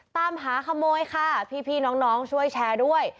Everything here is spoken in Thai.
ตามหาขโมยค่ะพี่น้องช่วยแชร์ด้วย